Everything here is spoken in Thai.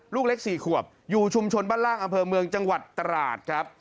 ลูกเล็ก๔ขวบอยู่ชุมชนบ้านล่างอำเภอเมืองจังหวัดตราดครับ